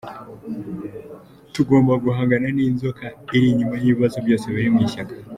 Tugomba guhangana n’inzoka iri inyuma y’ibibazo byose biri mu ishyaka.